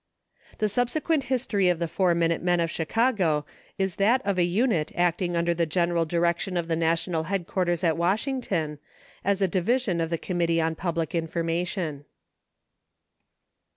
The subsequent history of the Four Minute Men of Chicago is that of a unit acting under the general direc tion of the national headquarters at Washington, as a division of the Committee on Public Information.